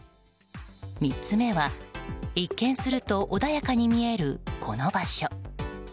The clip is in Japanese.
３つ目は一見すると穏やかに見えるこの場所。